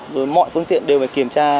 rồi mọi phương tiện đều phải kiểm tra